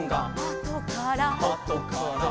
「あとから」